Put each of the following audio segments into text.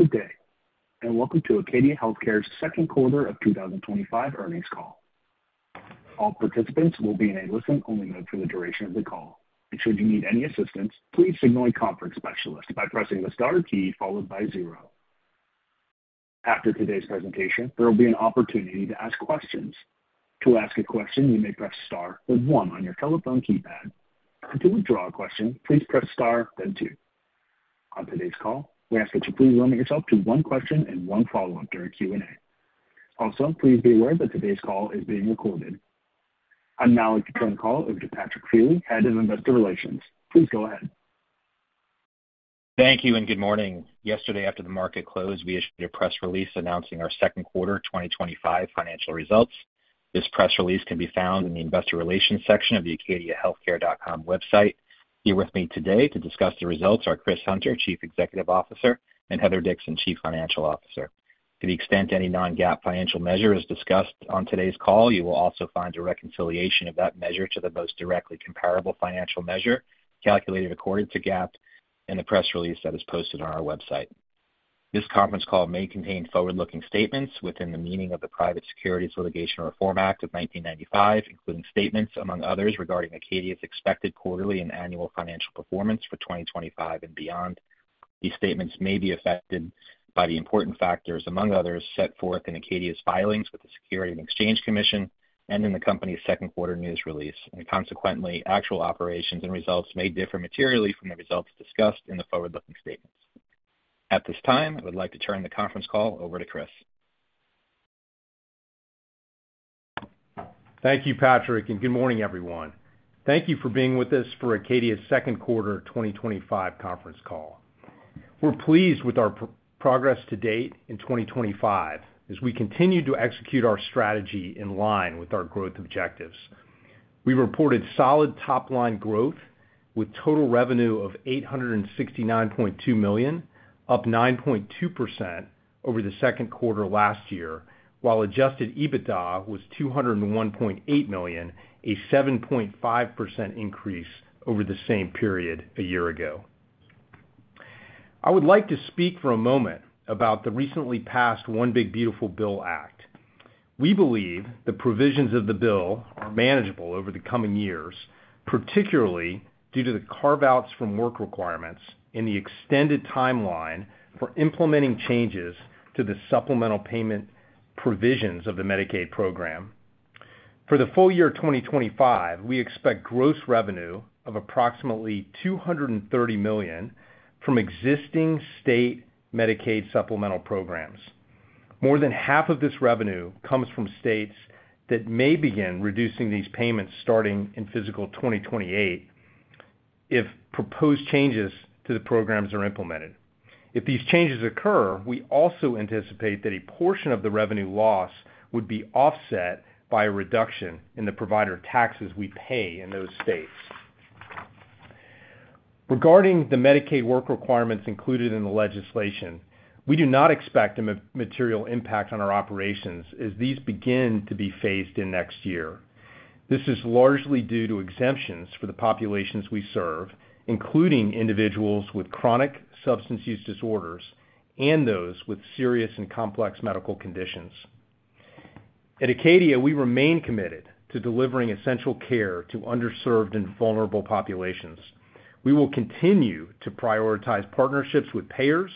Good day and welcome to Acadia Healthcare Company's second quarter 2025 earnings call. All participants will be in a listen-only mode for the duration of the call. Should you need any assistance, please signal a conference specialist by pressing the star key followed by zero. After today's presentation, there will be an opportunity to ask questions. To ask a question, you may press star, then one on your telephone keypad. To withdraw a question, please press star then two. On today's call, we ask that you please limit yourself to one question and one follow-up during Q&A. Also, please be aware that today's call is being recorded. I'd now like to turn the call over to Patrick Feeley, Head of Investor Relations. Please go ahead. Thank you and good morning. Yesterday after the market closed, we issued a press release announcing our second quarter 2025 financial results. This press release can be found in the Investor Relations section of the acadiahealthcare.com website. Here with me today to discuss the results are Christopher Hunter, Chief Executive Officer, and Heather Dixon, Chief Financial Officer. To the extent any non-GAAP financial measure is discussed on today's call, you will also find a reconciliation of that measure to the most directly comparable financial measure calculated according to GAAP in the press release that is posted on our website. This conference call may contain forward-looking statements within the meaning of the Private Securities Litigation Reform Act of 1995, including statements, among others, regarding Acadia Healthcare Company's expected quarterly and annual financial performance for 2025 and beyond. These statements may be affected by the important factors, among others, set forth in Acadia Healthcare Company's filings with the Securities and Exchange Commission and in the company's second quarter news release, and consequently, actual operations and results may differ materially from the results discussed in the forward-looking statements. At this time, I would like to turn the conference call over to Christopher Hunter. Thank you, Patrick, and good morning, everyone. Thank you for being with us for Acadia Healthcare Company's second quarter 2025 conference call. We're pleased with our progress to date in 2025 as we continue to execute our strategy in line with our growth objectives. We reported solid top-line growth with total revenue of $869.2 million, up 9.2% over the second quarter last year, while Adjusted EBITDA was $201.8 million, a 7.5% increase over the same period a year ago. I would like to speak for a moment about the recently passed one big beautiful Bill Act. We believe the provisions of the bill are manageable over the coming years, particularly due to the carve-outs from work requirements and the extended timeline for implementing changes to the supplemental payment provisions of the Medicaid program. For the full year 2025, we expect gross revenue of approximately $230 million from existing state Medicaid supplemental programs. More than half of this revenue comes from states that may begin reducing these payments starting in fiscal 2028 if proposed changes to the programs are implemented. If these changes occur, we also anticipate that a portion of the revenue loss would be offset by a reduction in the provider taxes we pay in those states. Regarding the Medicaid work requirements included in the legislation, we do not expect a material impact on our operations as these begin to be phased in next year. This is largely due to exemptions for the populations we serve, including individuals with chronic substance use disorders and those with serious and complex medical conditions. At Acadia Healthcare Company, we remain committed to delivering essential care to underserved and vulnerable populations. We will continue to prioritize partnerships with payers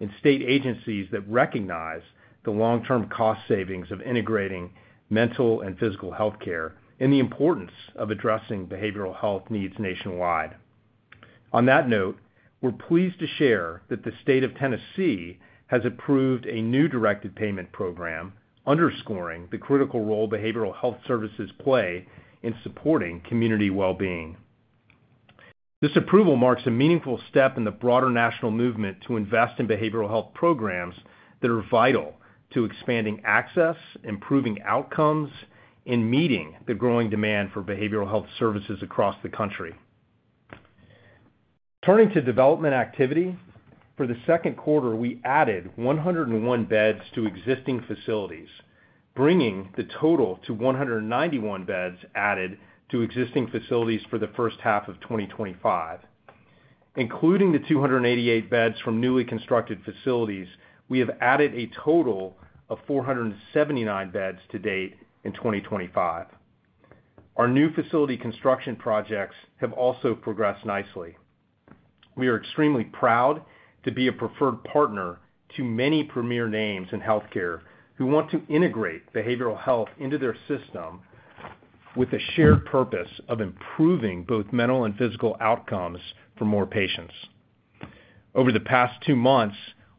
and state agencies that recognize the long-term cost savings of integrating mental and physical health care and the importance of addressing behavioral health needs nationwide. On that note, we're pleased to share that the State of Tennessee has approved a new directed payment program, underscoring the critical role behavioral health services play in supporting community well-being. This approval marks a meaningful step in the broader national movement to invest in behavioral health programs that are vital to expanding access, improving outcomes, and meeting the growing demand for behavioral health services across the country. Turning to development activity for the second quarter, we added 101 beds to existing facilities, bringing the total to 191 beds added to existing facilities for the first half of 2025. Including the 288 beds from newly constructed facilities, we have added a total of 479 beds to date in 2025. Our new facility construction projects have also progressed nicely. We are extremely proud to be a preferred partner to many premier names in health care who want to integrate behavioral health into their system with a shared purpose of improving both mental and physical outcomes for more patients. Over the past two months,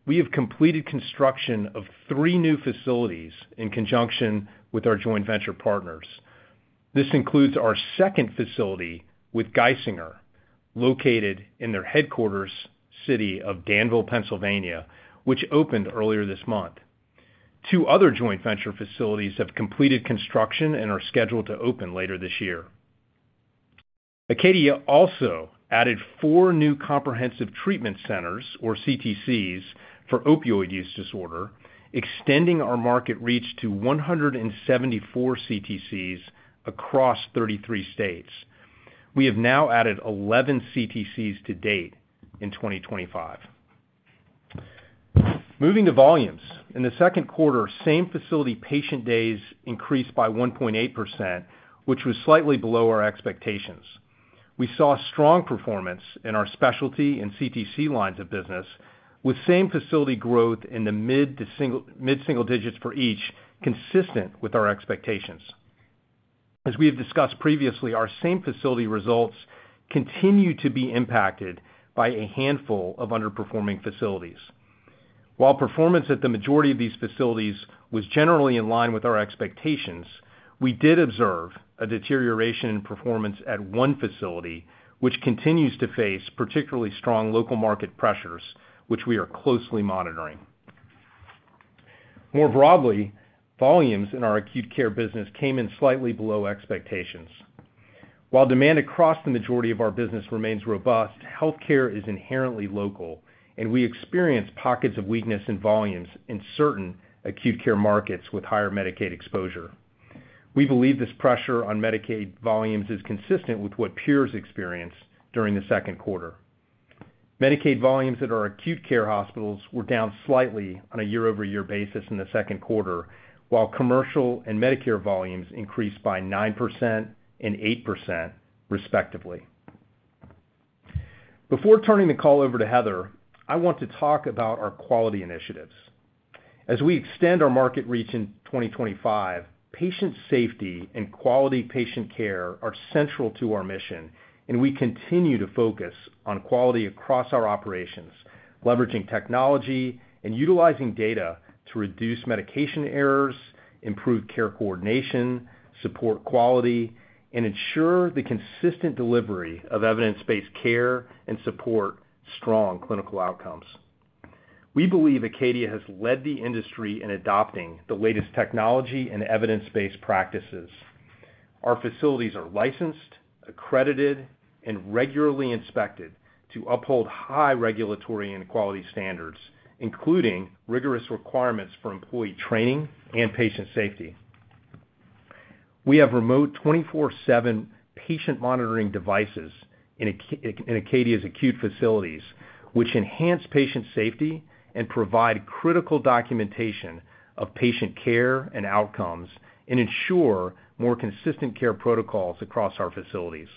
we have completed construction of three new facilities in conjunction with our joint venture partners. This includes our second facility with Geisinger, located in their headquarters city of Danville, Pennsylvania, which opened earlier this month. Two other joint venture facilities have completed construction and are scheduled to open later this year. Acadia Healthcare Company also added four new Comprehensive Treatment Centers, or CTCs, for opioid use disorder, extending our market reach to 174 CTCs across 33 states. We have now added 11 CTCs to date in 2025. Moving to volumes in the second quarter, same facility patient days increased by 1.8%, which was slightly below our expectations. We saw strong performance in our specialty and CTC lines of business, with same facility growth in the mid single digits for each, consistent with our expectations. As we have discussed previously, our same facility results continue to be impacted by a handful of underperforming facilities. While performance at the majority of these facilities was generally in line with our expectations, we did observe a deterioration in performance at one facility, which continues to face particularly strong local market pressures, which we are closely monitoring. More broadly, volumes in our acute care business came in slightly below expectations, while demand across the majority of our business remains robust. Health care is inherently local, and we experience pockets of weakness in volumes in certain acute care markets with higher Medicaid exposure. We believe this pressure on Medicaid volumes is consistent with what peers experienced during the second quarter. Medicaid volumes at our acute care hospitals were down slightly on a year-over-year basis in the second quarter, while commercial and Medicare volumes increased by 9% and 8%, respectively. Before turning the call over to Heather, I want to talk about our quality initiatives as we extend our market reach in 2025. Patient safety and quality patient care are central to our mission and we continue to focus on quality across our operations, leveraging technology and utilizing data to reduce medication errors, improve care coordination, support quality, and ensure the consistent delivery of evidence-based care and support strong clinical outcomes. We believe Acadia Healthcare Company has led the industry in adopting the latest technology and evidence-based practices. Our facilities are licensed, accredited, and regularly inspected to uphold high regulatory and quality standards, including rigorous requirements for employee training and patient safety. We have remote 24/7 patient monitoring devices in Acadia's acute facilities, which enhance patient safety and provide critical documentation of patient care and outcomes, and ensure more consistent care protocols across our facilities.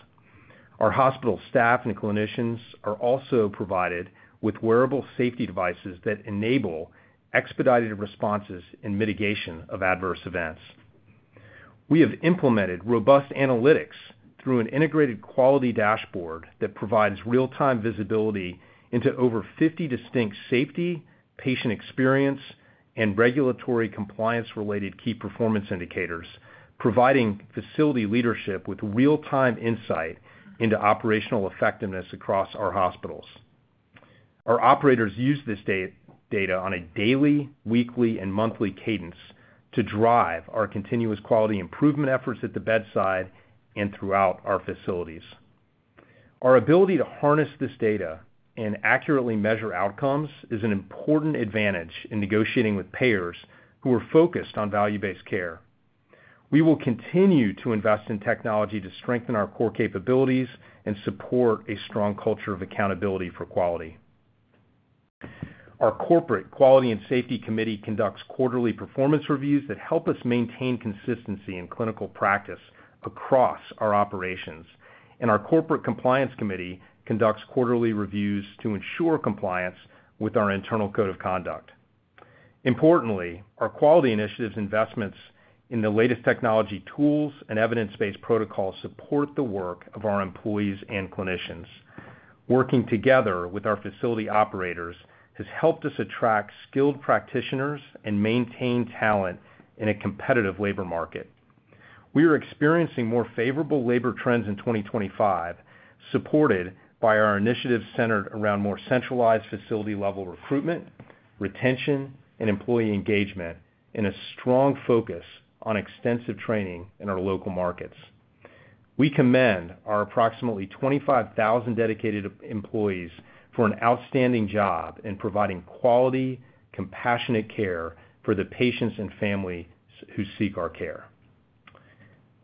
Our hospital staff and clinicians are also provided with wearable safety devices that enable expedited responses and mitigation of adverse events. We have implemented robust analytics through an integrated quality dashboard that provides real-time visibility into over 50 distinct safety, patient experience, and regulatory compliance-related key performance indicators, providing facility leadership with real-time insight into operational effectiveness across our hospitals. Our operators use this data on a daily, weekly, and monthly cadence to drive our continuous quality improvement efforts at the bedside and throughout our facilities. Our ability to harness this data and accurately measure outcomes is an important advantage in negotiating with payers who are focused on value-based care. We will continue to invest in technology to strengthen our core capabilities and support a strong culture of accountability for quality. Our Corporate Quality and Safety Committee conducts quarterly performance reviews that help us maintain consistency in clinical practice across our operations, and our Corporate Compliance Committee conducts quarterly reviews to ensure compliance with our internal Code of Conduct. Importantly, our quality initiatives, investments in the latest technology, tools, and evidence-based protocols support the work of our employees and clinicians. Working together with our facility operators has helped us attract skilled practitioners and maintain talent in a competitive labor market. We are experiencing more favorable labor trends in 2025, supported by our initiatives centered around more centralized facility level recruitment, retention and employee engagement, and a strong focus on extensive training in our local markets. We commend our approximately 25,000 dedicated employees for an outstanding job in providing quality, compassionate care for the patients and families who seek our care.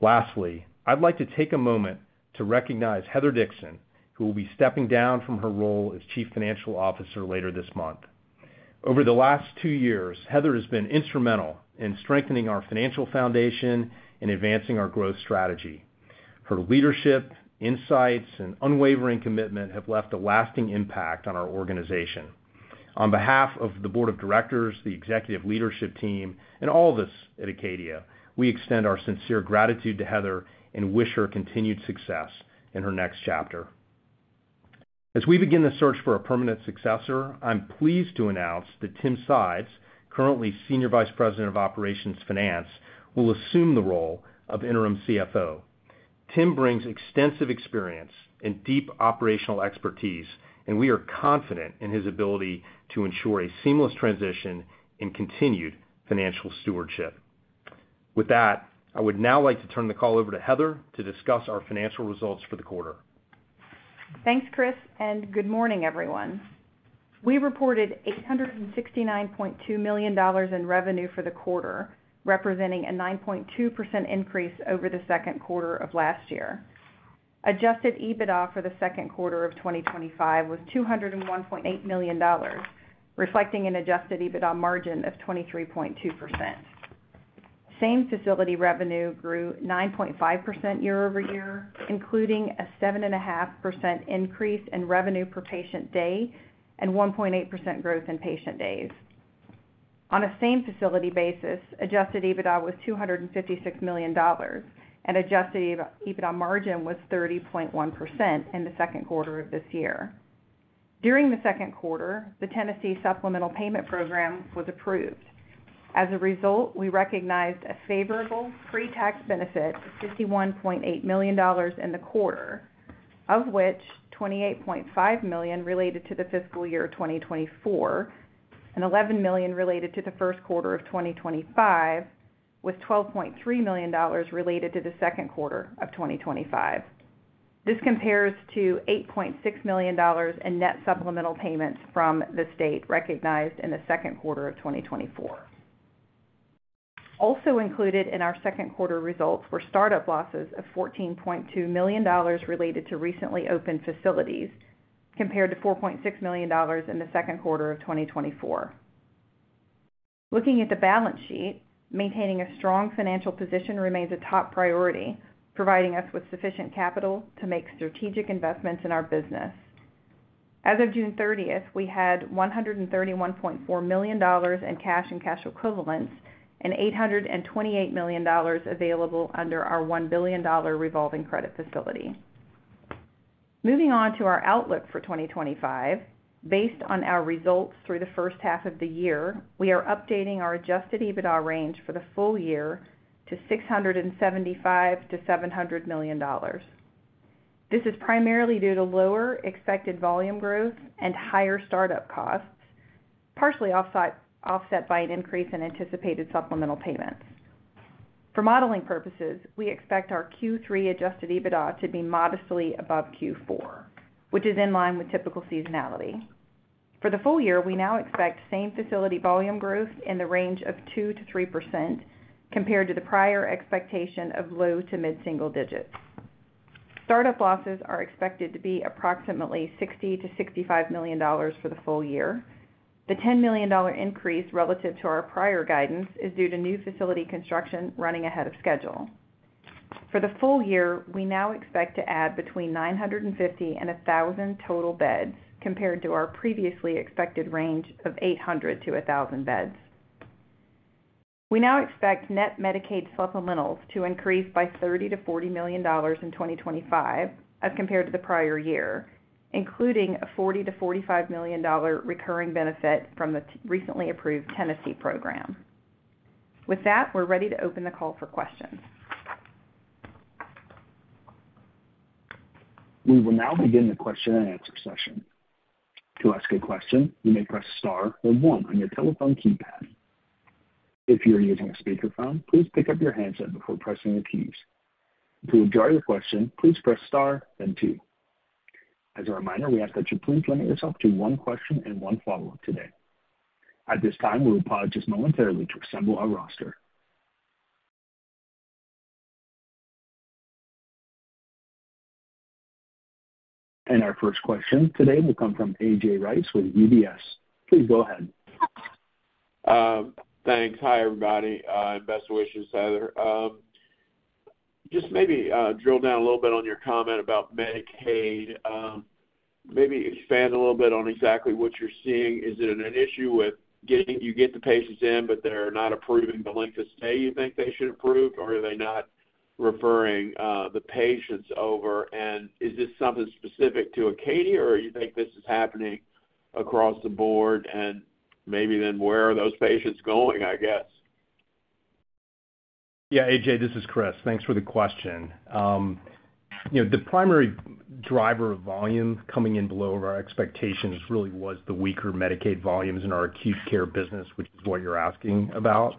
Lastly, I'd like to take a moment to recognize Heather Dixon, who will be stepping down from her role as Chief Financial Officer later this month. Over the last two years, Heather has been instrumental in strengthening our financial foundation and advancing our growth strategy. Her leadership insights and unwavering commitment have left a lasting impact on our organization. On behalf of the Board of Directors, the Executive Leadership Team, and all of us at Acadia Healthcare Company, we extend our sincere gratitude to Heather and wish her continued success in her next chapter. As we begin the search for a permanent successor, I'm pleased to announce that Tim Sides, currently Senior Vice President of Operations Finance, will assume the role of Interim CFO. Tim brings extensive experience and deep operational expertise and we are confident in his ability to ensure a seamless transition and continued financial stewardship. With that, I would now like to turn the call over to Heather to discuss our financial results for the quarter. Thanks Chris and good morning everyone. We reported $869.2 million in revenue for the quarter, representing a 9.2% increase over the second quarter of last year. Adjusted EBITDA for the second quarter of 2025 was $201.8 million, reflecting an Adjusted EBITDA margin of 23.2%. Same facility revenue grew 9.5% year-over-year, including a 7.5% increase in revenue per patient day and 1.8% growth in patient days. On a same facility basis, Adjusted EBITDA was $256 million and Adjusted EBITDA margin was 30.1% in the second quarter of this year. During the second quarter, the Tennessee Supplemental Payment Program was approved. As a result, we recognized a favorable pre-tax benefit, $51.8 million in the quarter, of which $28.5 million related to the fiscal year 2024 and $11 million related to the first quarter of 2025 with $12.3 million related to the second quarter of 2025. This compares to $8.6 million in net supplemental payments from the state recognized in the second quarter of 2024. Also included in our second quarter results were startup losses of $14.2 million related to recently opened facilities compared to $4.6 million in the second quarter of 2024. Looking at the balance sheet, maintaining a strong financial position remains a top priority while providing us with sufficient capital to make strategic investments in our business. As of June 30th, we had $131.4 million in cash and cash equivalents and $828 million available under our $1 billion revolving credit facility. Moving on to our outlook for 2025, based on our results through the first half of the year, we are updating our Adjusted EBITDA range for the full year to $675 to $700 million. This is primarily due to lower expected volume growth and higher startup costs, partially offset by an increase in anticipated supplemental payment. For modeling purposes, we expect our Q3 Adjusted EBITDA to be modestly above Q4, which is in line with typical seasonality for the full year. We now expect same facility volume growth in the range of 2%-3% compared to the prior expectation of low to mid single digits. Startup losses are expected to be approximately $60-$65 million for the full year. The $10 million increase relative to our prior guidance is due to new facility construction running ahead of schedule. For the full year, we now expect to add between 950 and 1,000 total beds compared to our previously expected range of 800-1,000 beds. We now expect net Medicaid supplementals to increase by $30 to $40 million in 2025 as compared to the prior year, including a $40-$45 million recurring benefit from the recently approved Tennessee program. With that, we're ready to open the call for questions. We will now begin the question and answer session. To ask a question, you may press star or one on your telephone keypad. If you are using a speakerphone, please pick up your handset before pressing the keys. To enjoy your question, please press star then two. As a reminder, we ask that you please limit yourself to one question and one follow up. At this time, we will pause just momentarily to assemble our roster and our first question today will come from A.J. Rice with UBS. Please go ahead. Thanks. Hi everybody. Best wishes, Heather. Just maybe drill down a little bit on your comment about Medicaid, maybe expand a little bit on exactly what you're seeing. Is it an issue with getting you get the patients in, but they're not approving the length of stay you think they should approve, or are they not referring the patients over and is this something specific to Acadia or you think this is happening across the board and maybe then where are those patients going? I guess. Yeah. AJ, this is Chris. Thanks for the question. The primary driver of volume coming in below our expectations really was the weaker Medicaid volumes in our acute care business, which is what you're asking about.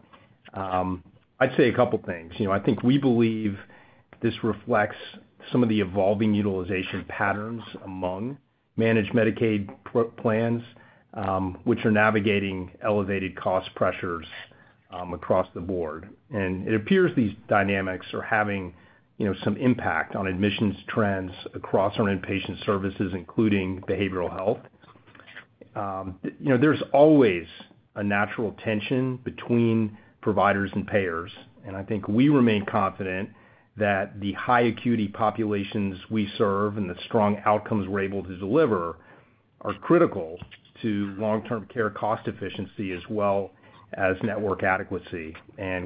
I'd say a couple things. I think we believe this reflects some of the evolving utilization patterns among managed Medicaid plans, which are navigating elevated cost pressures across the board. It appears these dynamics are having some impact on admissions trends across our inpatient services, including behavioral health. There is always a natural tension between providers and payers. I think we remain confident that the high acuity populations we serve and the strong outcomes we're able to deliver are critical to long term care cost efficiency as well as network adequacy.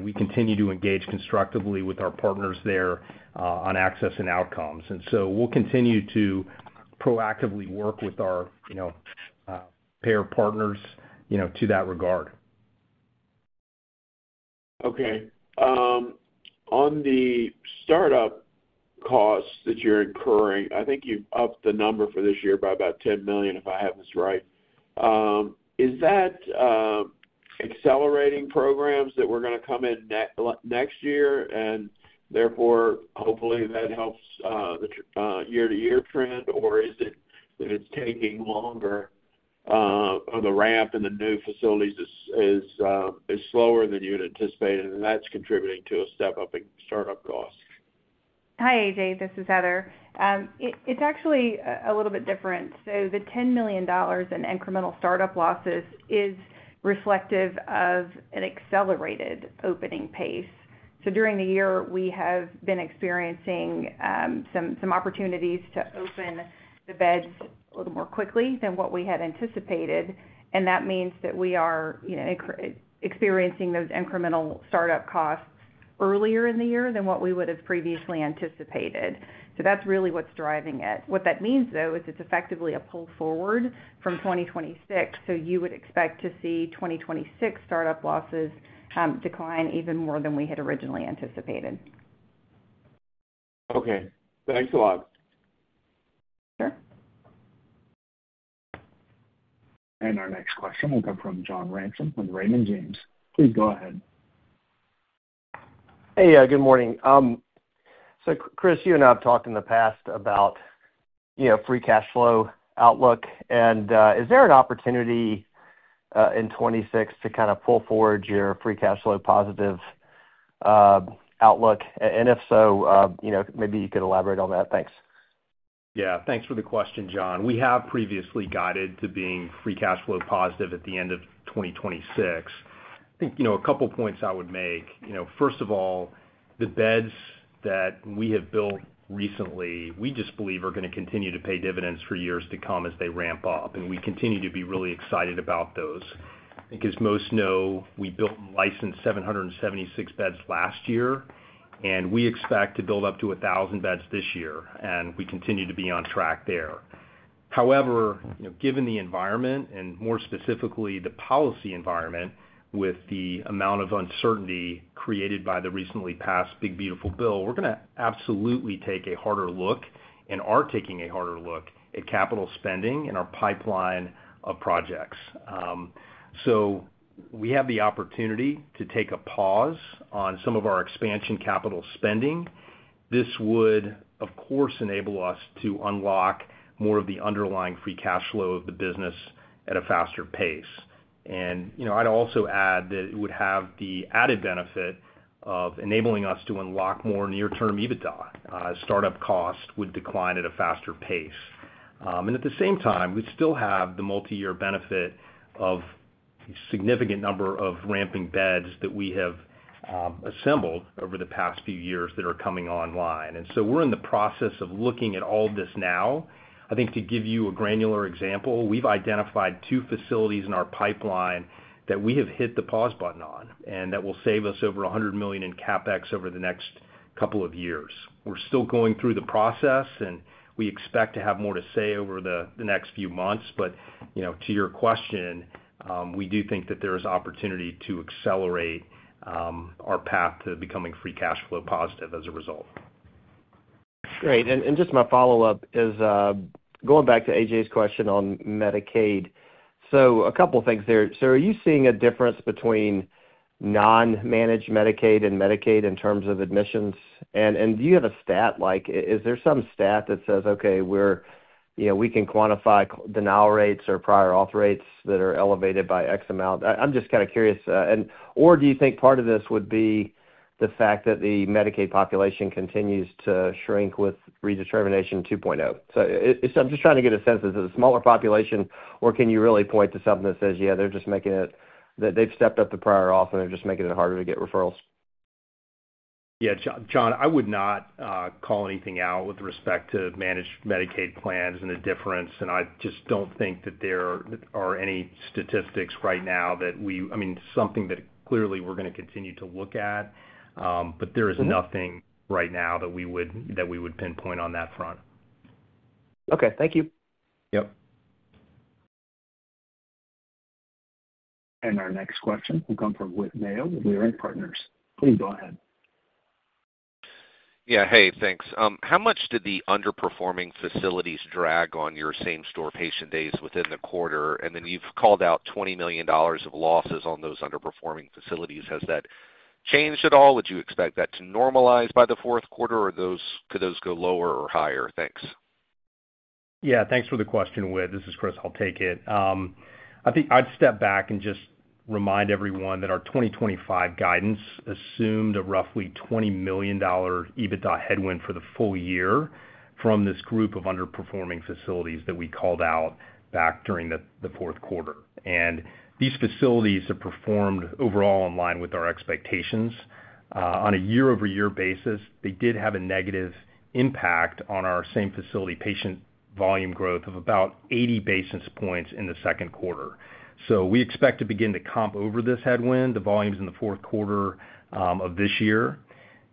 We continue to engage constructively with our partners there on access and outcomes. We will continue to proactively work with our payer partners to that regard. Okay. On the startup costs that you're incurring, I think you've upped the number for this year by about $10 million, if I have this right. Is that accelerating programs that were going to come in next year and therefore hopefully that helps the year to year trend? Or is it that it's taking longer or the ramp in the new facilities is slower than you'd anticipated and that's contributing to a step up in startup costs. Hi, AJ, this is Heather. It's actually a little bit different. The $10 million in incremental startup losses is reflective of an accelerated opening pace. During the year we have been experiencing some opportunities to open the beds a little more quickly than what we had anticipated, and that means that we are experiencing those incremental startup costs earlier in the year than what we would have previously anticipated. That's really what's driving it. What that means, though, is it's effectively a pull forward from 2026. You would expect to see 2026 startup losses decline even more than we had originally anticipated. Okay, thanks a lot. Our next question will come from John Ransom with Raymond James. Please go ahead. Hey, good morning. Chris, you and I have talked in the past about, you know, free cash flow outlook and is there an opportunity in 2026 to kind of pull forward your free cash flow positive outlook and if so maybe you could elaborate on that. Thanks. Yeah, thanks for the question, John. We have previously guided to being free cash flow positive at the end of 2026. I think a couple points I would make. First of all, the beds that we have built recently, we just believe are going to continue to pay dividends for years to come as they ramp up and we continue to be really excited about those. I think as most know, we built and licensed 776 beds last year and we expect to build up to 1,000 beds this year and we continue to be on track there. However, given the environment and more specifically the policy environment with the amount of uncertainty created by the recently passed one big beautiful Bill Act, we are going to absolutely take a harder look and are taking a harder look at capital spending in our pipeline of projects. We have the opportunity to take a pause on some of our expansion capital spending. This would, of course, enable us to unlock more of the underlying free cash flow of the business at a faster pace. I would also add that it would have the added benefit of enabling us to unlock more near term EBITDA. Startup costs would decline at a faster pace and at the same time we still have the multi-year benefit of a significant number of ramping beds that we have assembled over the past few years that are coming online. We are in the process of looking at all this now. I think to give you a granular example, we have identified two facilities in our pipeline that we have hit the pause button on and that will save us over $100 million in CapEx over the next couple of years. We are still going through the process and we expect to have more to say over the next few months. To your question, we do think that there is opportunity to accelerate our path to becoming free cash flow positive as a result. Great. My follow up is going back to AJ's question on Medicaid. A couple things there. Are you seeing a difference between non-managed Medicaid and Medicaid in terms of admissions? Do you have a stat, like is there some stat that says, okay, we are, you know, we can quantify denial rates or prior auth rates that are elevated by X amount? I'm just kind of curious. Do you think part of this would be the fact that the Medicaid population continues to shrink with redetermination 2.0? I'm just trying to get a sense. Is it a smaller population or can you really point to something that says, yeah, they're just making it, that they've stepped up the prior auth and they're just making it harder to get referrals? Yeah. John, I would not call anything out with respect to managed Medicaid plans and the difference. I just don't think that there are any statistics right now that we, I mean, something that clearly we're going to continue to look at. There is nothing right now that we would pinpoint on that front. Okay, thank you. Yep. Our next question will come from Whit Mayo. With Leerink Partners. Please go ahead. Yeah, hey, thanks. How much did the underperforming facilities drag on your same store patient days within the quarter and then you've called out $20 million of losses on those underperforming facilities. Has that changed at all? Would you expect that to normalize by the fourth quarter or could those go lower or higher? Thanks. Yeah, thanks for the question. Whit, this is Chris. I'll take it. I think I'd step back and just remind everyone that our 2025 guidance assumed a roughly $20 million EBITDA headwind for the full year from this group of underperforming facilities that we called out back during the fourth quarter. These facilities have performed overall in line with our expectations on a year-over-year basis. They did have a negative impact on our same facility patient volume growth of about 80 basis points in the second quarter. We expect to begin to comp over this headwind, the volumes in the fourth quarter of this year.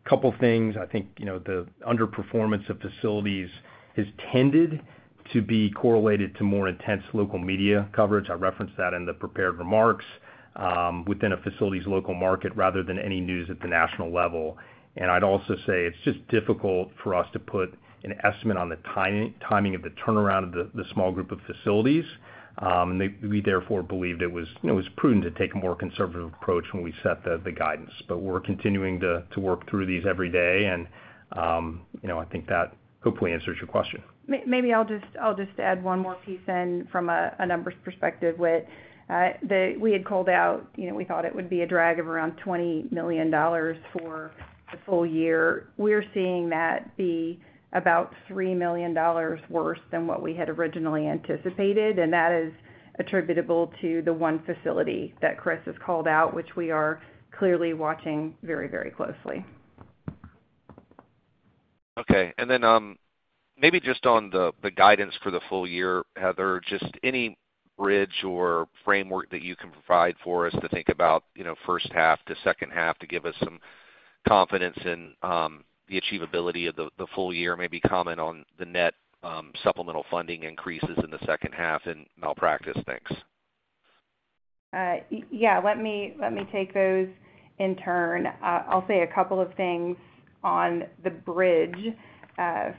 Couple things. I think the underperformance of facilities has tended to be correlated to more intense local media coverage. I referenced that in the prepared remarks within a facility's local market rather than any news at the national level. I'd also say it's just difficult for us to put an estimate on the timing of the turnaround of the small group of facilities. We therefore believed it was prudent to take a more conservative approach when we set the guidance. We're continuing to work through these every day. I think that hopefully answers your question. I'll just add one more piece. From a numbers perspective, Whit, we had called out, you know, we thought it would be a drag of around $20 million for the full year. We're seeing that be about $3 million worse than what we had originally anticipated. That is attributable to the one facility that Chris has called out, which we are clearly watching very, very closely. Okay. Maybe just on the guidance for the full year, Heather, just any bridge or framework that you can provide for us to think about, you know, first half to second half, to give us some confidence in the achievability of the full year. Maybe comment on the net supplemental funding increases in the second half and malpractice. Thanks. Yeah, let me take those in turn. I'll say a couple of things on the bridge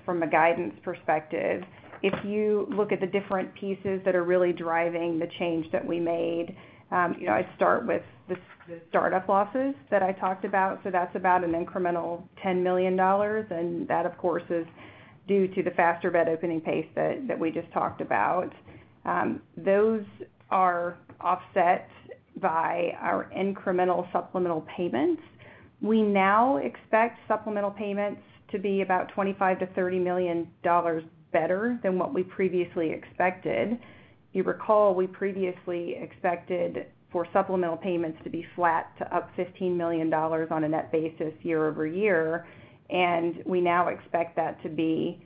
from a guidance perspective. If you look at the different pieces that are really driving the change that we made, I start with the startup losses that I talked about. That's about an incremental $10 million. That of course is due to the faster bed opening pace that we just talked about. Those are offset by our incremental supplemental payments. We now expect supplemental payments to be about $25-$30 million better than what we previously expected. You recall, we previously expected for supplemental payments to be flat to up $15 million on a net basis year-over-year. We now expect that to be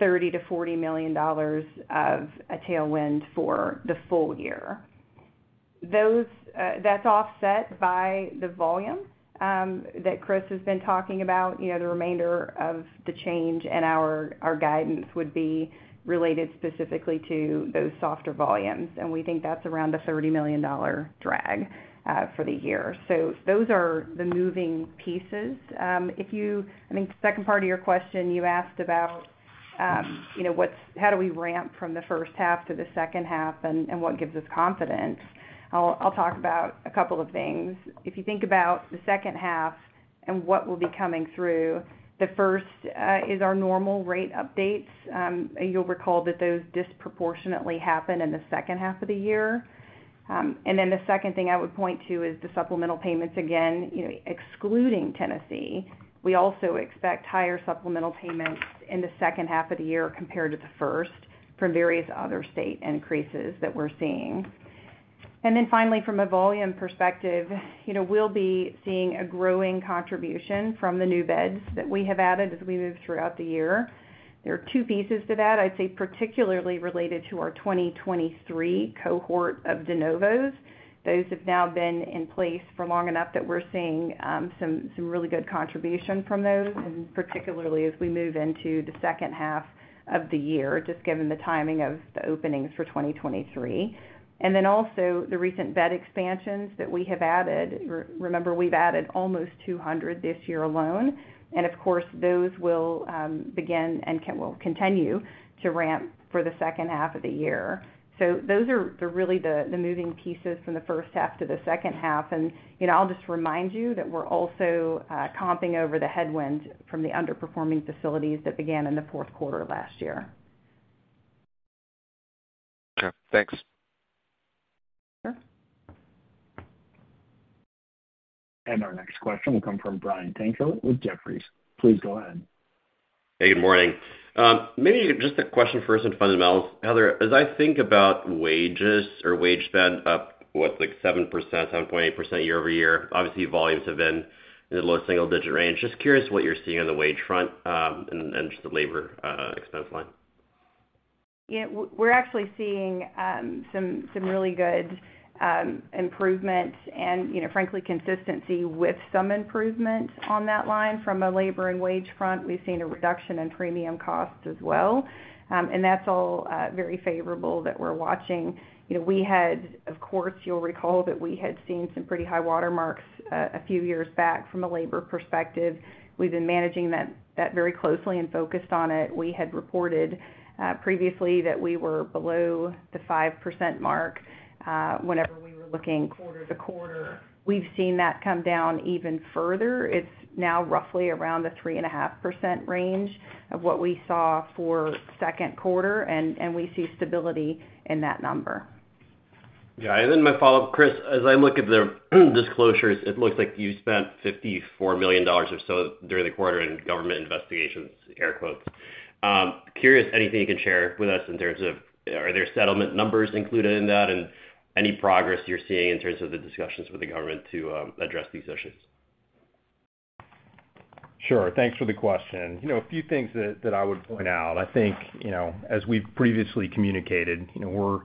$30-$40 million of a tailwind for the full year. That's offset by the volume that Chris has been talking about. The remainder of the change in our guidance would be related specifically to those softer volumes. We think that's around a $30 million drag for the year. Those are the moving pieces. I think the second part of your question, you asked about how do we ramp from the first half to the second half and what gives us confidence. I'll talk about a couple of things. If you think about the second half and what will be coming through, the first is our normal rate updates. You'll recall that those disproportionately happen in the second half of the year. The second thing I would point to is the supplemental payments. Again, excluding Tennessee, we also expect higher supplemental payments in the second half of the year compared to the first for various other state increases that we're seeing. Finally, from a volume perspective, we'll be seeing a growing contribution from the new beds that we have added as we move throughout the year. There are two pieces to that, particularly related to our 2023 cohort of de novos. Those have now been in place for long enough that we're seeing some really good contribution from those, particularly as we move into the second half of the year just given the timing of the openings for 2023 and also the recent bed expansions that we have added. Remember, we've added almost 200 this year alone. Those will begin and will continue to ramp for the second half of the year. Those are really the moving pieces from the first half to the second half. I'll just remind you that we're also comping over the headwind from the underperforming facilities that began in the fourth quarter last year. Okay, thanks. Sure. Our next question will come from Brian Tankel with Jefferies. Please go ahead. Hey, good morning. Maybe just a question first on fundamentals, Heather, as I think about wages or wage spend up what like 7%, 7.8% year-over-year, obviously volumes have been in the low single digit range. Just curious what you're seeing on the wage front and just the labor expense line. Yeah, we're actually seeing some really good improvement and, you know, frankly, consistency with some improvement on that line from a labor and wage front. We've seen a reduction in premium costs as well. That's all very favorable that we're watching. You know, we had, of course, you'll recall that we had seen some pretty high watermarks a few years back from a labor perspective. We've been managing that very closely and focused on it. We had reported previously that we were below the 5% mark when looking. We've seen that come down even further. It's now roughly around the 3.5% range of what we saw for second quarter, and we see stability in that number. Yeah. And then my follow up, Chris, as I look at the disclosures, it looks like you spent $54 million or so during the quarter in government investigations. Air quotes. Curious. Anything you can share with us in terms of are there settlement numbers included in that and any progress you're seeing in terms of the discussions with the government to address these issues? Sure. Thanks for the question. A few things that I would point out, I think, as we previously communicated, we're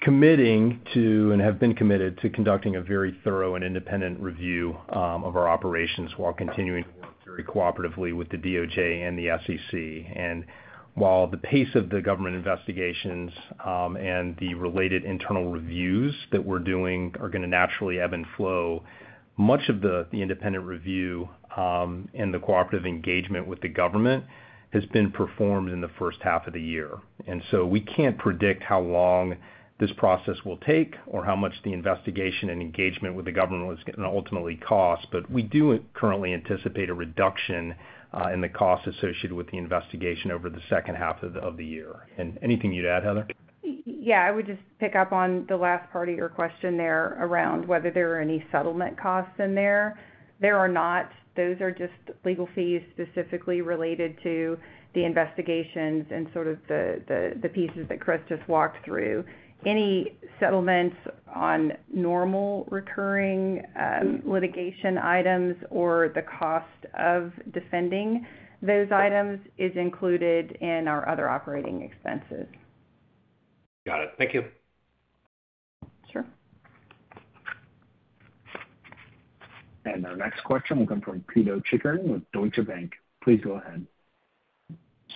committing to and have been committed to conducting a very thorough and independent review of our operations while continuing very cooperatively with the DOJ and the SEC. While the pace of the government investigations and the related internal reviews that we're doing are going to naturally ebb and flow, much of the independent review and the cooperative engagement with the government has been performed in the first half of the year. We can't predict how long this process will take or how much the investigation and engagement with the government is going to ultimately cost. We do currently anticipate a reduction in the cost associated with the investigation over the second half of the year. Anything you'd add, Heather? I would just pick up on the last part of your question there around whether there are any settlement costs in there. There are not. Those are just legal fees specifically related to the investigations and the pieces that Chris just walked through. Any settlements on normal recurring litigation items or the cost of defending those items is included in our other operating expenses. Got it. Thank you. Sure. Our next question will come from Pito Chickering with Deutsche Bank. Please go ahead.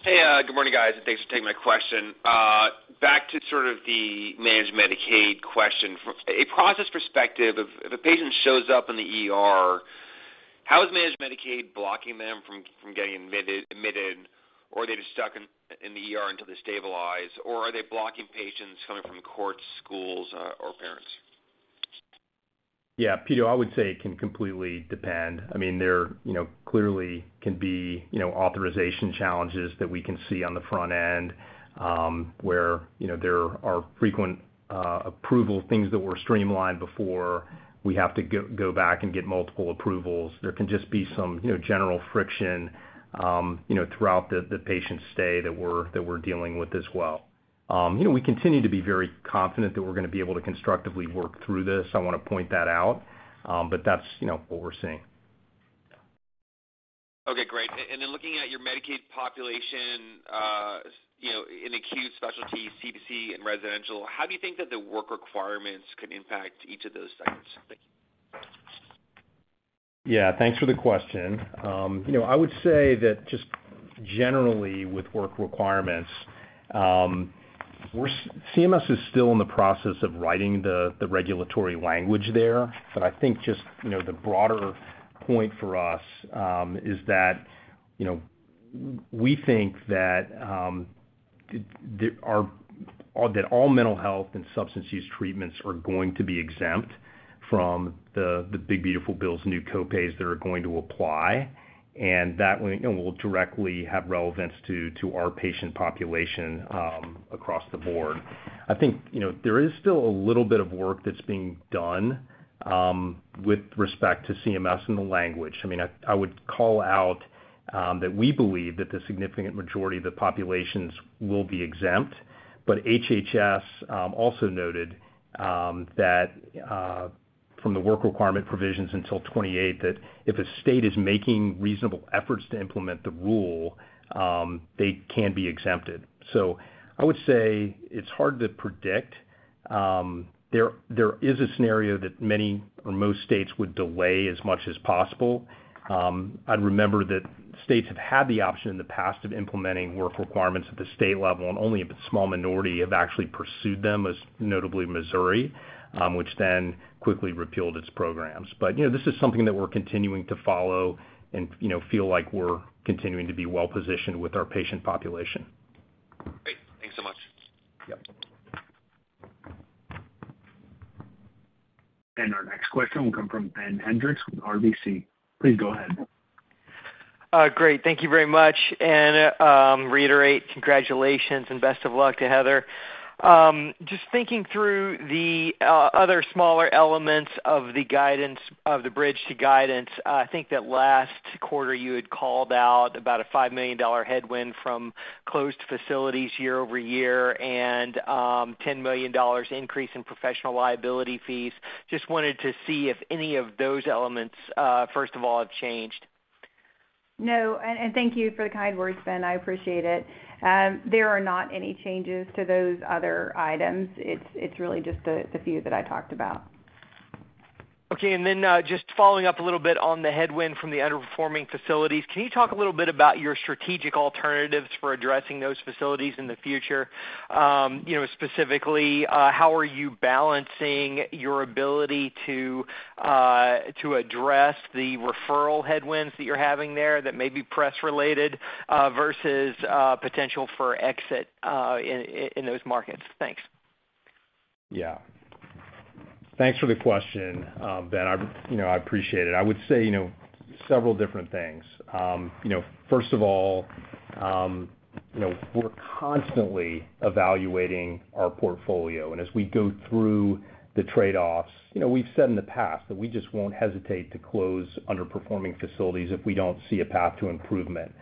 Hey, good morning, guys, and thanks for taking my question back to sort of the managed Medicaid question. From a process perspective, if a patient shows up in the ER, how is managed Medicaid blocking them from getting admitted? Are they just stuck in the ER until they stabilize? Are they blocking patients coming from courts, schools, or parents? Yeah, Pito, I would say it can completely depend. There clearly can be authorization challenges that we can see on the front end where there are frequent approval things that were streamlined before. We have to go back and get multiple approvals. There can just be some general friction throughout the patient's stay that we're dealing with as well. We continue to be very confident that we're going to be able to constructively work through this. I want to point that out, but that's what we're seeing. Okay, great. Looking at your Medicaid population in acute specialty, CTC, and residential, how do you think that the work requirements could impact each of those sites? Yeah, thanks for the question. I would say that just generally with work requirements, CMS is still in the process of writing the regulatory language there. The broader point for us is that we think that all mental health and substance use treatments are going to be exempt from the one big beautiful Bill Act's new copays that are going to apply and that will directly have relevance to our patient population across the board. There is still a little bit of work that's being done with respect to CMS. In the language, I would call out that we believe that the significant majority of the populations will be exempt. HHS also noted that from the work requirement provisions until 2028, if a state is making reasonable efforts to implement the rule, they can be exempted. I would say it's hard to predict. There is a scenario that many or most states would delay as much as possible. I'd remember that states have had the option in the past of implementing work requirements at the state level and only a small minority have actually pursued them, notably Missouri, which then quickly repealed its programs. This is something that we're continuing to follow and feel like we're continuing to be well positioned with our patient population. Great. Thanks so much. Yep. Our next question will come from Ben Hendricks, RBC. Please go ahead. Great. Thank you very much and reiterate congratulations and best of luck to Heather. Just thinking through the other smaller elements of the guidance of the Bridge to Guidance. I think that last quarter you had called out about a $5 million headwind from closed facilities year-over-year and $10 million increase in professional liability fees. Just wanted to see if any of those elements, first of all, have changed. No, thank you for the kind words, Ben. I appreciate it. There are not any changes to those other items. It's really just the few that I talked about. Okay. Following up a little bit on the headwind from the underperforming facilities, can you talk a little bit about your strategic alternatives for addressing those facilities in the future? Specifically, how are you balancing your ability to address the referral headwinds that you're having there that may be press related versus potential for exit in those markets? Thanks. Yeah, thanks for the question, Ben. I appreciate it. I would say several different things. First of all, we're constantly evaluating our portfolio and as we go through the trade offs, we've said in the past that we just won't hesitate to close underperforming facilities if we don't see a path to improvement.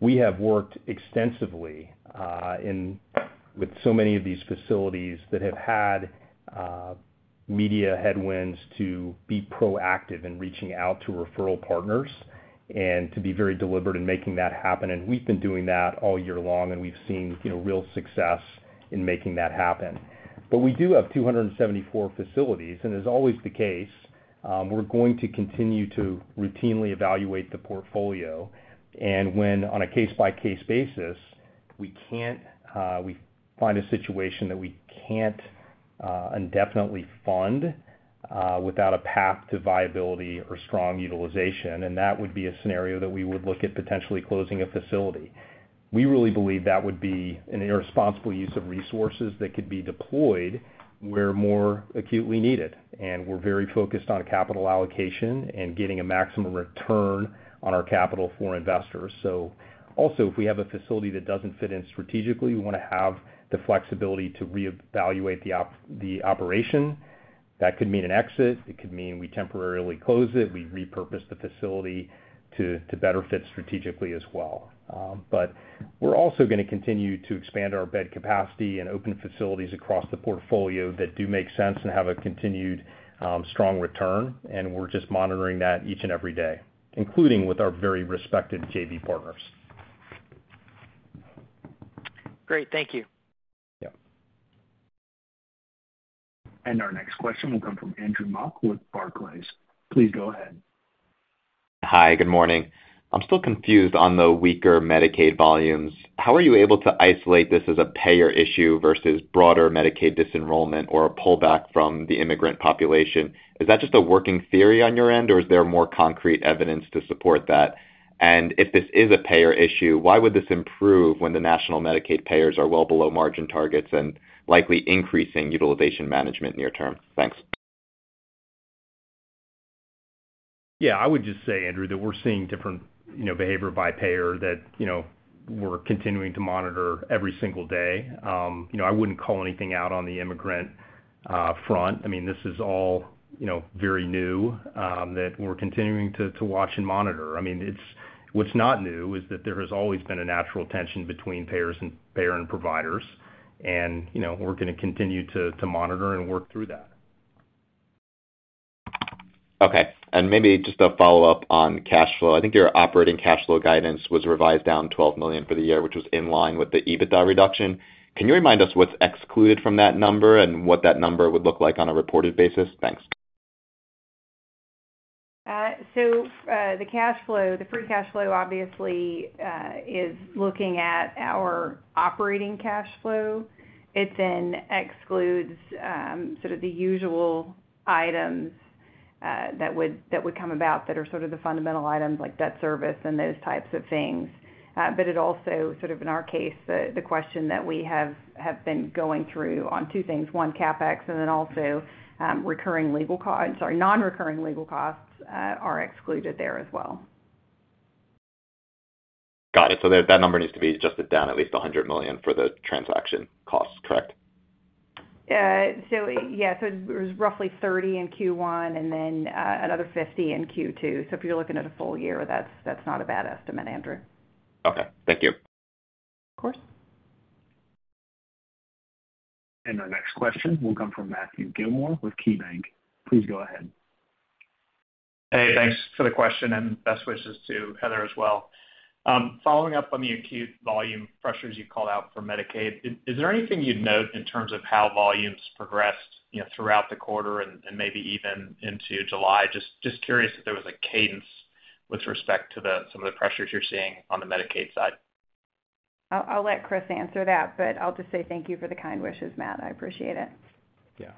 We have worked extensively with so many of these facilities that have had media headwinds to be proactive in reaching out to referral partners and to be very deliberate in making that happen. We've been doing that all year long and we've seen real success in making that happen. We do have 274 facilities. As always, we're going to continue to routinely evaluate the portfolio. When, on a case by case basis, we find a situation that we can't indefinitely fund without a path to viability or strong utilization, that would be a scenario that we would look at potentially closing a facility. We really believe that would be an irresponsible use of resources that could be deployed where more acutely needed. We're very focused on capital allocation and getting a maximum return on our capital for investors. Also, if we have a facility that doesn't fit in strategically, we want to have the flexibility to reevaluate the operation. That could mean an exit, it could mean we temporarily close it, or we repurpose the facility to better fit strategically as well. We're also going to continue to expand our bed capacity and open facilities across the portfolio that do make sense and have a continued strong return. We're just monitoring that each and every day, including with our very respected JV partners. Great, thank you. Our next question will come from Andrew Mok with Barclays. Please go ahead. Hi, good morning. I'm still confused on the weaker Medicaid volumes. How are you able to isolate this as a payer issue versus broader Medicaid disenrollment or a pullback from the immigrant population? Is that just a working theory on your end or is there more concrete evidence to support that? If this is a payer issue, why would this improve when the national Medicaid payers are well below margin targets and likely increasing utilization management near term? Thanks. Yeah, I would just say, Andrew, that we're seeing different behavior by payer that we're continuing to monitor every single day. I wouldn't call anything out on the immigrant. This is all very new that we're continuing to watch and monitor. What's not new is that there has always been a natural tension between payer and providers, and we're going to continue to monitor and work through that. Okay. Maybe just a follow up on cash flow. I think your operating cash flow guidance was revised down $12 million for the year, which was in line with the EBITDA reduction. Can you remind us what's excluded from that number and what that number would look like on a reported basis? Thanks. The free cash flow obviously is looking at our operating cash flow. It then excludes the usual items that would come about that are the fundamental items like debt service and those types of things. In our case, the question that we have been going through on two things, one, CapEx and then also recurring legal costs. Sorry, non-recurring legal costs are excluded there as well. Got it. That number needs to be adjusted down at least $100 million for the transaction costs. Correct. There’s roughly 30 in Q1 and then another 50 in Q2. If you’re looking at a full year, that’s not a bad estimate, Andrew. Okay, thank you. Of course, our next question will come from Matthew Gilmore with KeyBanc. Please go ahead. Hey, thanks for the question, and best wishes to Heather as well. Following up on the acute volume pressures you called out for Medicaid, is there anything you'd note in terms of how volumes progressed throughout the quarter and maybe even into July? Just curious if there was a cadence with respect to some of the pressures you're seeing on the Medicaid side. I'll let Chris answer that, but I'll just say thank you for the kind wishes, Matt. I appreciate it. Yeah,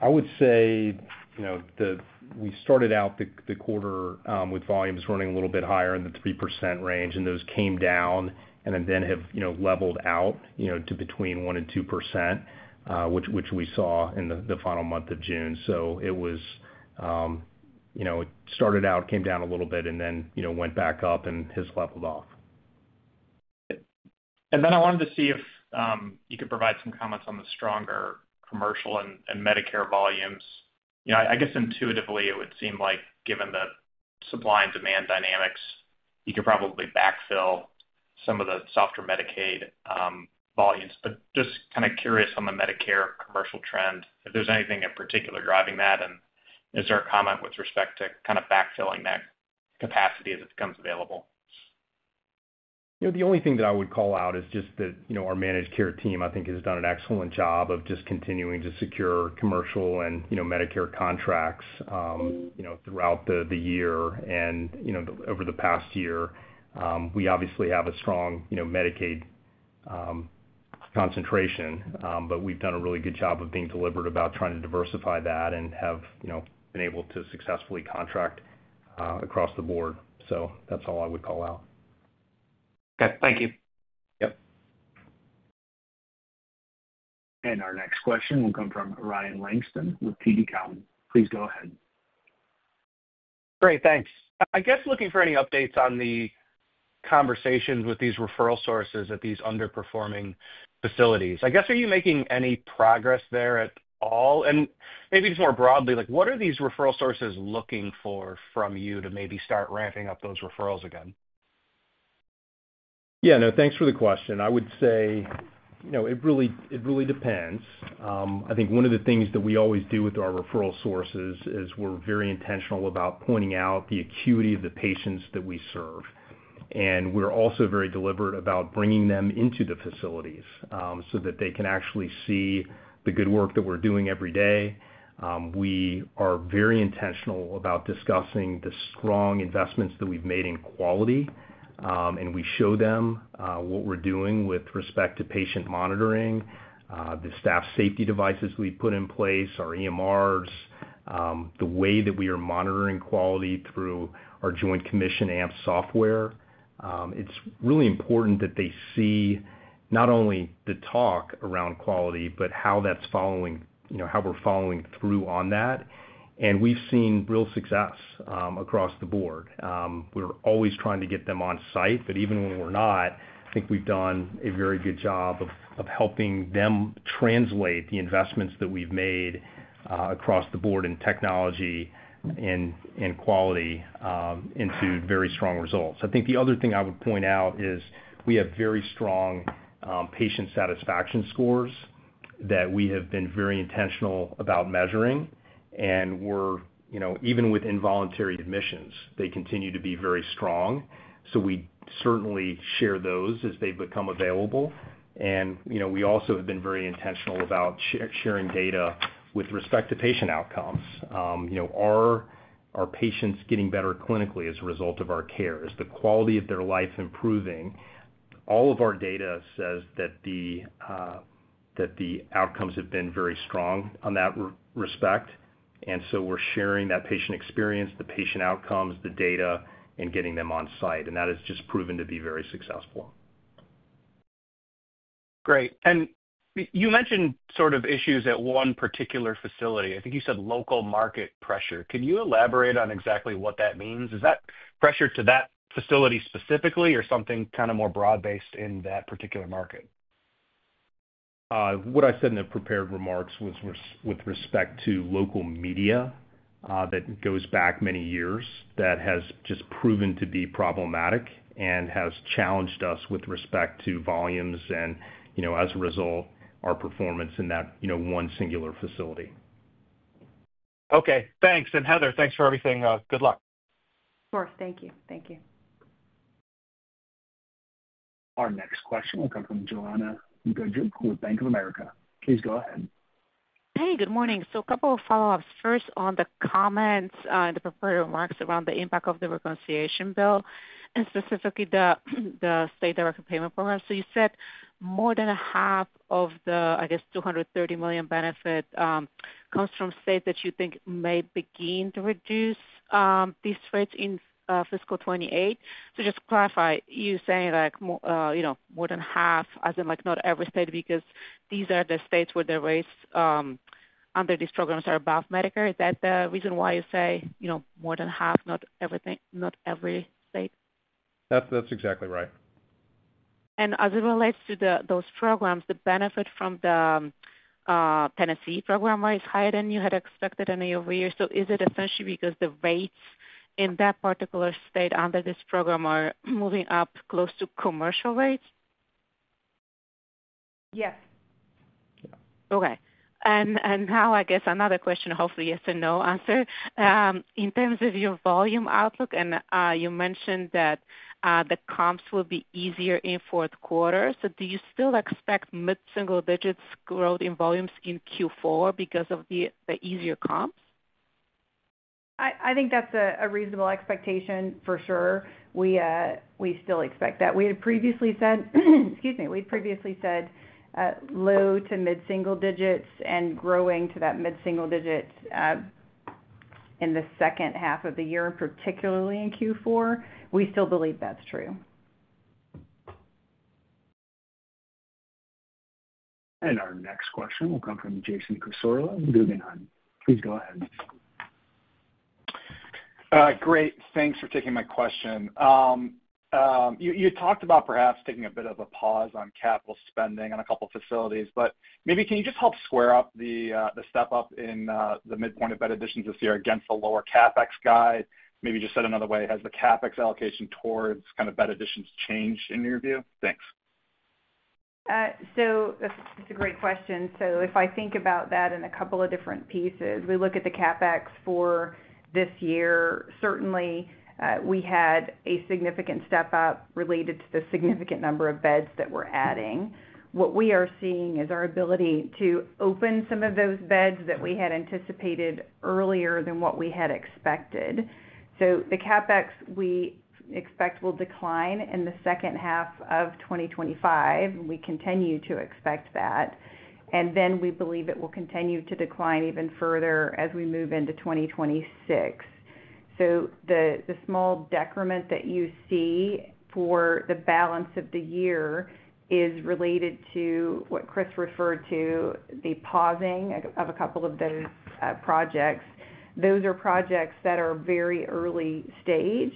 I would say the we started out the quarter with volumes running a little bit higher in the 3% range, and those came down and then have leveled out to between 1% and 2%, which we saw in the final month of June. It started out, came down a little bit, and then went back up and has leveled off. I wanted to see if you could provide some comments on the stronger commercial and Medicare volumes. I guess intuitively it would seem like given that supply and demand dynamics, you could probably backfill some of the softer Medicaid volumes. Just kind of curious on the Medicare commercial trend, if there's anything in particular driving that. Is there a comment with respect to kind of backfilling that capacity as it becomes available? The only thing that I would call out is just that our managed care team, I think, has done an excellent job of just continuing to secure commercial and Medicare contracts throughout the year. Over the past year, we obviously have a strong Medicaid concentration, but we've done a really good job of being deliberate about trying to diversify that and have been able to successfully contract across the board. That's all I would call out. Okay, thank you. Yep. Our next question will come from Ryan Langston with TD Cowen. Please go ahead. Great. Thanks. I guess, looking for any updates on the conversations with these referral sources at these underperforming facilities. Are you making any progress there at all? Maybe just more broadly, what are these referral sources looking for from you to maybe start ramping up those referrals again? Yeah, no, thanks for the question. I would say it really depends. I think one of the things that we always do with our referral sources is we're very intentional about pointing out the acuity of the patients that we serve. We're also very deliberate about bringing them into the facilities so that they can actually see the good work that we're doing every day. We are very intentional about discussing the strong investments that we've made in quality, and we show them what we're doing with respect to patient monitoring, the staff safety devices we put in place, our EMRs, the way that we are monitoring quality through our Joint Commission AMP software. It's really important that they see not only the talk around quality, but how that's following, you know, how we're following through on that. We've seen real success across the board. We're always trying to get them on site, but even when we're not, I think we've done a very good job of helping them translate the investments that we've made across the board in technology and quality into very strong results. I think the other thing I would point out is we have very strong patient satisfaction scores that we have been very intentional about measuring. Even with involuntary admissions, they continue to be very strong. We certainly share those as they become available. We also have been very intentional about sharing data with respect to patient outcomes. You know, are our patients getting better clinically as a result of our care? Is the quality of their life improving? All of our data says that the outcomes have been very strong in that respect. We're sharing that patient experience, the patient outcomes, the data, and getting them on site. That has just proven to be very successful. Great. You mentioned sort of issues at one particular facility. I think you said local market pressure. Can you elaborate on exactly what that means? Is that pressure to that facility specifically or something kind of more broad based in that particular market? What I said in the prepared remarks was with respect to local media that goes back many years, that has just proven to be problematic and has challenged us with respect to volumes and, you know, as a result, our performance in that one singular facility. Okay, thanks. And Heather, thanks for everything. Good luck. Thank you. Thank you. Our next question will come from Joanna Gajuk with Bank of America. Please go ahead. Hey, good morning. A couple of follow ups. First, on the comments in the prepared remarks around the impact of the reconciliation bill and specifically the state directed payment program. You said more than half of the, I guess, $230 million benefit comes from states that you think may begin to reduce these rates in fiscal 2028. Just to clarify, are you saying more than half, as in not every state, because these are the states where the rates under these programs are above Medicare? Is that the reason why you say more than half, not everything, not every state? That's exactly right. As it relates to those programs, the benefit from the Tennessee program was higher than you had expected year-over-year. Is it essentially because the rates in that particular state under this program are moving up close to commercial rates? Yes. Okay. Another question, hopefully a yes or no answer, in terms of your volume outlook. You mentioned that the comps will be easier in the fourth quarter. Do you still expect mid single digits growth in volumes in Q4 because of the easier comps? I think that's a reasonable expectation for sure. We still expect that. We previously said low to mid single digits and growing to that mid single digit in the second half of the year, particularly in Q4. We still believe that's true. Our next question will come from Jason Cassorla, Guggenheim. Please go ahead. Great. Thanks for taking my question. You talked about perhaps taking a bit of a pause on capital spending on a couple facilities, but maybe can you just help square up the step up in the midpoint of bed additions this year against the lower CapEx guide? Maybe just said another way, has the CapEx allocation towards kind of bed additions changed in your view? Thanks. It's a great question. If I think about that in a couple of different pieces, we look at the CapEx for this year. Certainly, we had a significant step up related to the significant number of beds that we're adding. What we are seeing is our ability to open some of those beds that we had anticipated earlier than what we had expected. The CapEx we expect will decline in the second half of 2025, and we continue to expect that. We believe it will continue to decline even further as we move into 2026. The small decrement that you see for the balance of the year is related to what Chris referred to, the pausing of a couple of those projects. Those are projects that are very early stage.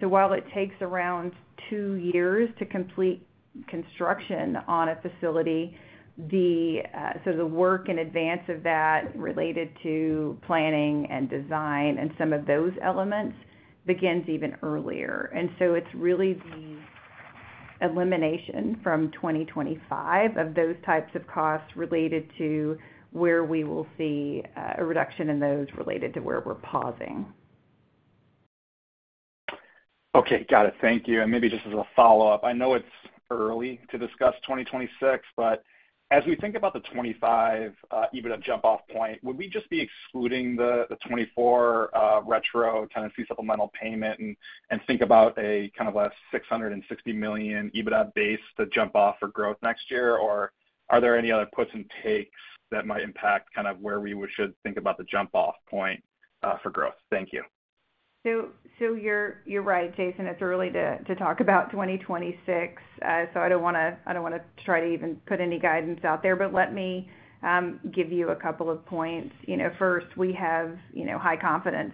While it takes around two years to complete construction on a facility, the sort of work in advance of that related to planning and design and some of those elements begins even earlier. It's really the elimination from 2025 of those types of costs related to where we will see a reduction in those related to where we're pausing. Okay, got it. Thank you. Maybe just as a follow up, I know it's early to discuss 2026, but as we think about the 2025 EBITDA jump off point, would we just be excluding the 2024 retro Tennessee supplemental payment and think about a kind of less $660 million EBITDA base to jump off for growth next year, or are there any other puts and takes that might impact kind of where we should think about the jump off point for growth? Thank you. You're right, Jason. It's early to talk about 2026, so I don't want to try to even put any guidance out there. Let me give you a couple of points. First, we have high confidence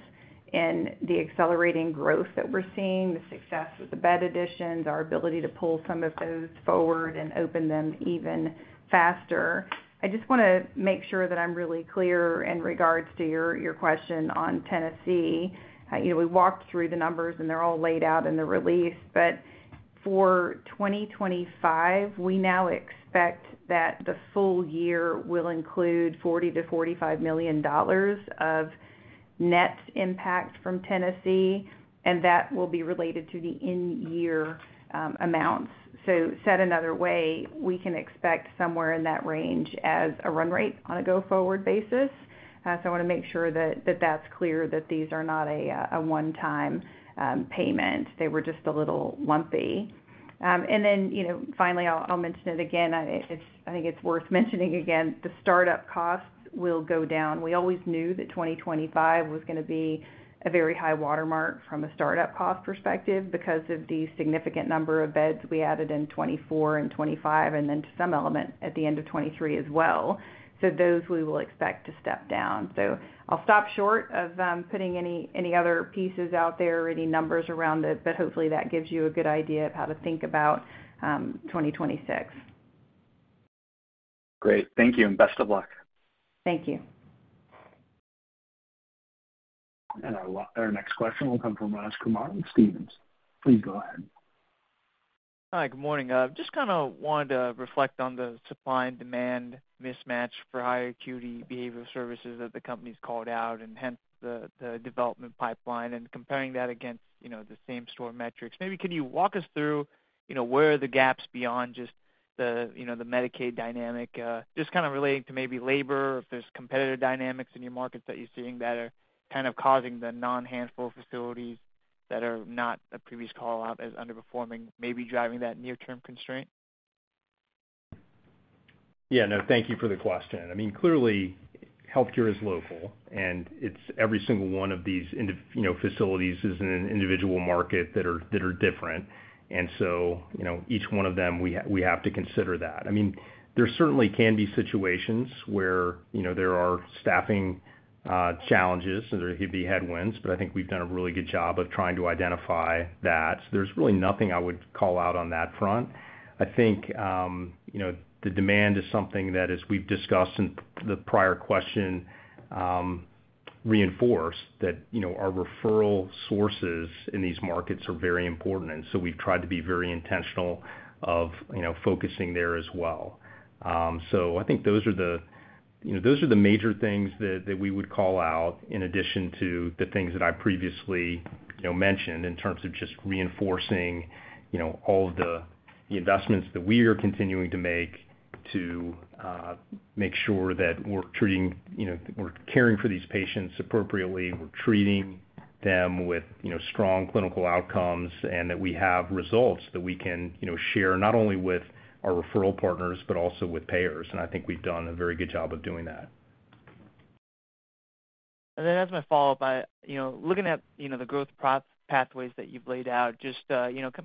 in the accelerating growth that we're seeing. The success with the bed additions, our ability to pull some of those forward and open them even faster. I just want to make sure that I'm really clear in regards to your question on Tennessee. You know we walked through the numbers and they're all laid out in the release. For 2025, we now expect that the full year will include $40 to $45 million of net impact from Tennessee, and that will be related to the end year amounts. Said another way, we can expect somewhere in that range as a run rate on a go forward. I want to make sure that that's clear that these are not a one-time payment. They were just a little lumpy. Finally, I'll mention it again, I think it's worth mentioning again the startup costs will go down. We always knew that 2025 was going to be a very high watermark from a startup cost perspective because of the significant number of beds we added in 2024 and 2025 and then some element at the end of 2023 as well. Those we will expect to step down. I'm short of putting any other pieces out there, any numbers around it, but hopefully that gives you a good idea of how to think about 2026. Great, thank you and best of luck. Thank you. Our next question will come from Raj Kumar Stephens. Please go ahead. Hi, good morning. Just kind of wanted to reflect on the supply and demand mismatch for higher acuity behavioral services that the company's called out and hence the development pipeline and comparing that against the same store metrics. Maybe can you walk us through where are the gaps beyond just the Medicaid dynamic, just kind of relating to maybe labor. If there's competitive dynamics in your markets that you're seeing that are kind of causing the non-handful of facilities that are not a previous call out as underperforming, maybe driving that near term constraint. Thank you for the question. Clearly healthcare is local and every single one of these facilities is in an individual market that are different. Each one of them we have to consider that. There certainly can be situations where there are staffing challenges and there could be headwinds. I think we've done a really good job of trying to identify that. There's really nothing I would call out on that front. I think the demand is something that, as we've discussed in the prior question, reinforced that our referral sources in these markets are very important. We've tried to be very intentional of focusing there as well. I think those are the major things that we would call out in addition to the things that I previously mentioned in terms of just reinforcing all of the investments that we are continuing to make to make sure that we're treating, we're caring for these patients appropriately, we're treating them with strong clinical outcomes and that we have results that we can share not only with our referral partners, but also with payers. I think we've done a very good job of doing that. As my follow up, by looking at the growth process pathways that you've laid out,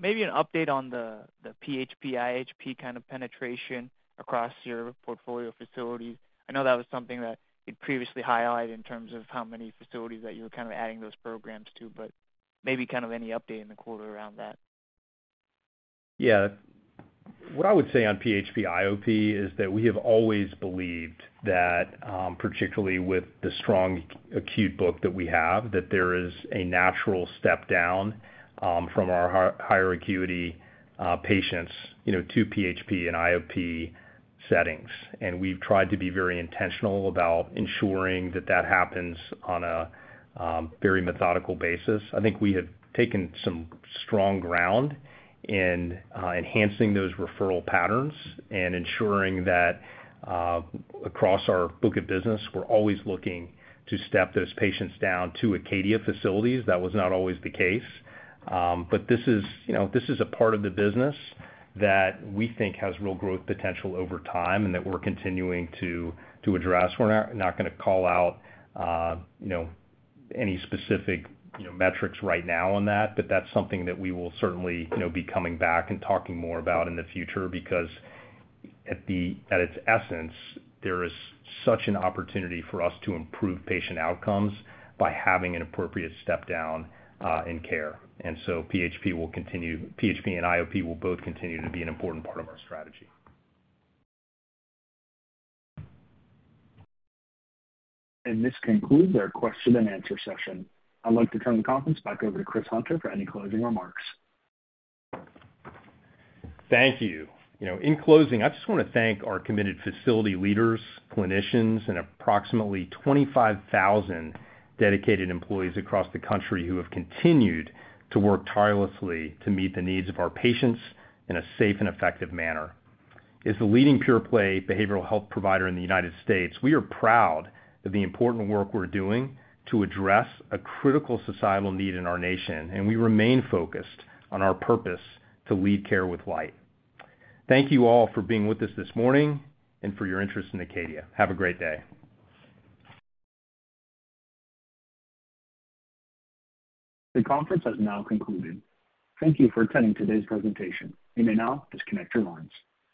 maybe an update on the PHP IOP kind of penetration across your portfolio facilities. I know that was something that you'd previously highlighted in terms of how many facilities that you were kind of adding those programs to, but maybe any update in the quarter around that. Yeah. What I would say on PHP IOP is that we have always believed that, particularly with the strong, acute book that we have, there is a natural step down from our higher acuity patients to PHP and IOP settings. We have tried to be very intentional about ensuring that happens on a very methodical basis. I think we have taken some strong ground in enhancing those referral patterns and ensuring that across our book of business, we're always looking to step those patients down to Acadia facilities. That was not always the case. This part of the business is one that we think has real growth potential over time and that we're continuing to address. We're not going to call out any specific metrics right now on that, but that's something that we will certainly be coming back and talking more about in the future because at its essence, there is such an opportunity for us to improve patient outcomes by having an appropriate step down in care. PHP and IOP will both continue to be an important part of our strategy. This concludes our question and answer session. I'd like to turn the conference back over to Christopher Hunter for any closing remarks. Thank you. In closing, I just want to thank our committed facility leaders, clinicians, and approximately 25,000 dedicated employees across the country who have continued to work tirelessly to meet the needs of our patients in a safe and effective manner. As the leading pure play behavioral health provider in the United States, we are proud of the important work we're doing to address a critical societal need in our nation. We remain focused on our purpose to lead care with light. Thank you all for being with us this morning and for your interest in Acadia. Have a great day. The conference has now concluded. Thank you for attending today's presentation. You may now disconnect your lines.